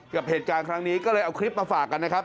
กับเหตุการณ์ครั้งนี้ก็เลยเอาคลิปมาฝากกันนะครับ